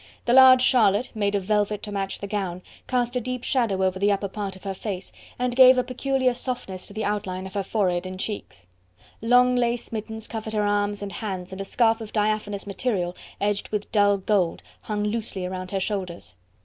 The large Charlotte, made of velvet to match the gown, cast a deep shadow over the upper part of her face, and gave a peculiar softness to the outline of her forehead and cheeks. Long lace mittens covered her arms and hands and a scarf of diaphanous material edged with dull gold hung loosely around her shoulders.